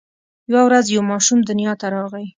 یوه ورځ یو ماشوم دنیا ته راغی.